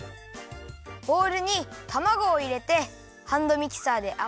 ボウルにたまごをいれてハンドミキサーであわだてます。